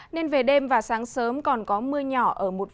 nên về đêm và sáng sớm còn có mưa nhỏ ở một vài nơi